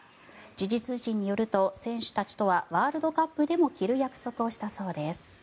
時事通信によると選手たちとはワールドカップでも着る約束をしたそうです。